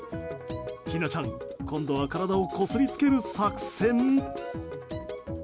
ひなちゃん今度は体をこすりつける作戦。